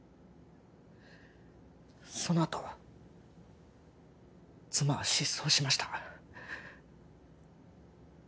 そのあと妻は失踪しました